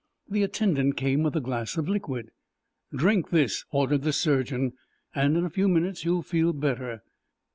The attendant came with a glass of liquid. "Drink this," ordered the surgeon, "and in a few minutes you'll feel better."